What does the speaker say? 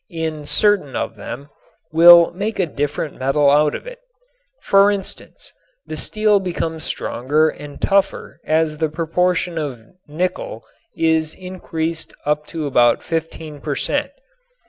in certain of them will make a different metal out of it. For instance, the steel becomes stronger and tougher as the proportion of nicked is increased up to about 15 per cent.